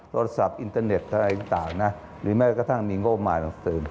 โทรศัพท์อินเตอร์เน็ตน์หรือแม้กระทั่งมีงบบมายลังสืน